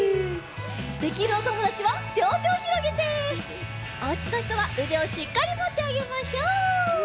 できるおともだちはりょうてをひろげておうちのひとはうでをしっかりもってあげましょう。